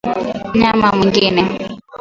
mnyama mwingine